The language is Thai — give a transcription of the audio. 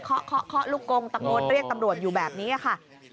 เคาะเคาะลูกกงตะโกนเรียกตำรวจอยู่แบบนี้ค่ะ